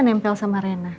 nempel sama rena